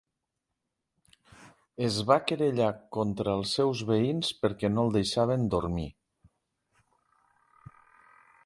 Es va querellar contra els seus veïns perquè no el deixaven dormir.